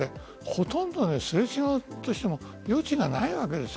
ほとんど擦れ違おうとしても余地がないわけです。